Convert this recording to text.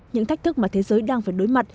những thách thức mà thế giới đang phải đối mặt